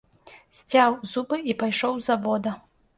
Сцяў зубы і пайшоў з завода.